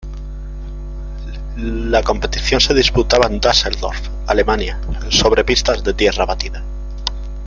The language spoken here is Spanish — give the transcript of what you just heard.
La competición se disputaba en Düsseldorf, Alemania, sobre pistas de tierra batida.